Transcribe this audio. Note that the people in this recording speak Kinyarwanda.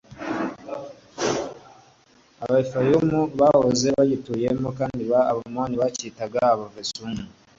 Abarefayimu bahoze bagituyemo, kandi Abamoni babitagaAbazamuzumi.